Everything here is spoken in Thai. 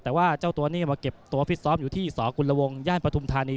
แต่ว่าเจ้าตัวนี้มาเก็บตัวฟิตซ้อมอยู่ที่สกุลวงย่านปฐุมธานี